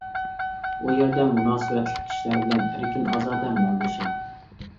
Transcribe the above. ئۇ يەردە مۇناسىۋەتلىك كىشىلەر بىلەن ئەركىن ئازادە مۇڭدىشىڭ.